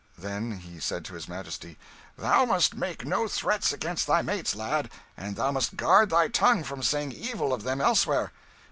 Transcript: Then he said to his Majesty, "Thou must make no threats against thy mates, lad; and thou must guard thy tongue from saying evil of them elsewhere.